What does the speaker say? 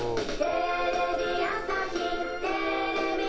「テレビ朝日テレビ朝日」